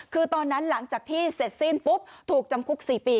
คือตอนนั้นหลังจากที่เสร็จสิ้นปุ๊บถูกจำคุก๔ปี